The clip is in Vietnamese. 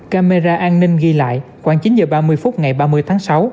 camera an ninh ghi lại khoảng chín h ba mươi phút ngày ba mươi tháng sáu